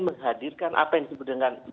menghadirkan apa yang disebut dengan